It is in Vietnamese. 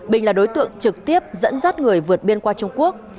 bình là đối tượng trực tiếp dẫn dắt người vượt biên qua trung quốc